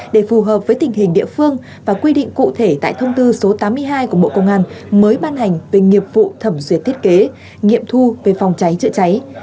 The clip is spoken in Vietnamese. để phù hợp với tình hình địa phương và quy định cụ thể tại thông tư số tám mươi hai của bộ công an mới ban hành về nghiệp vụ thẩm duyệt thiết kế nghiệm thu về phòng cháy chữa cháy